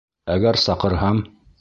Әгәр саҡырһам...